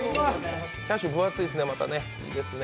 チャーシュー分厚いですねいいですね。